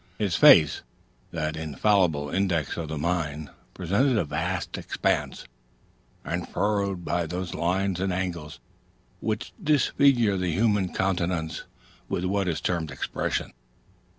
His face, that infallible index of the mind, presented a vast expanse, unfurrowed by those lines and angles which disfigure the human countenance with what is termed expression.